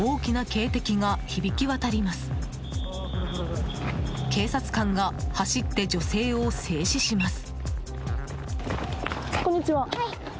警察官が走って女性を制止します。